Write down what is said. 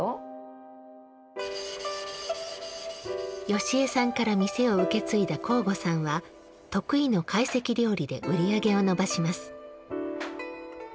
由江さんから店を受け継いだ向後さんは得意の懐石料理で売り上げを伸ばします。